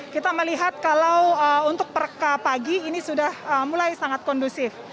kita melihat kalau untuk perka pagi ini sudah mulai sangat kondusif